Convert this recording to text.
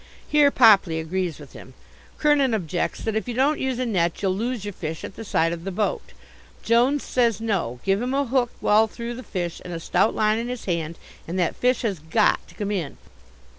Here Popley agrees with him. Kernin objects that if you don't use a net you'll lose your fish at the side of the boat. Jones says no: give him a hook well through the fish and a stout line in his hand and that fish has got to come in.